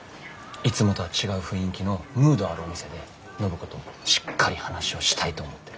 いつもとは違う雰囲気のムードあるお店で暢子としっかり話をしたいと思ってるわけ。